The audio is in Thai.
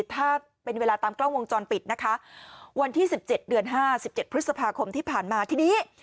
ถ้าเป็นเวลาตามกล้องวงจรปิดนะคะวันที่สิบเจ็ดเดือนห้าสิบเจ็ดพฤษภาคมที่ผ่านมาทีนี้